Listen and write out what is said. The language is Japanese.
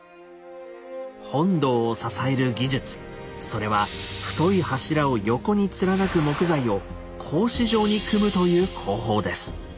それは太い柱を横に貫く木材を格子状に組むという工法です。